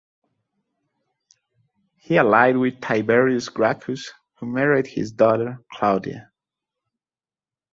He allied with Tiberius Gracchus who married his daughter Claudia.